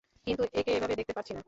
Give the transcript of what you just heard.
কিন্তু একে এভাবে দেখতে পারছি না।